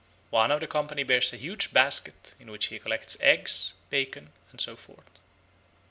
One of the company bears a huge basket, in which he collects eggs, bacon, and so forth.